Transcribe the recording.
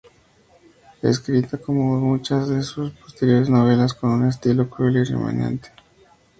Escrita como muchas de sus posteriores novelas, con un estilo ¨cruel¨y remanente.